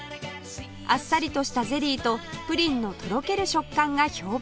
あっさりとしたゼリーとプリンのとろける食感が評判のスイーツです